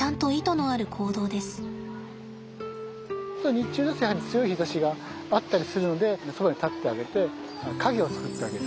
日中だとやはり強い日ざしがあったりするのでそばに立ってあげて影を作ってあげる。